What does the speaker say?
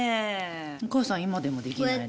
お母さん今でもできないの。